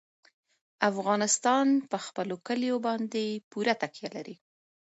افغانستان په خپلو کلیو باندې پوره تکیه لري.